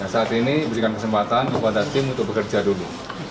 saat ini berikan kesempatan kepada tim untuk bekerja dulu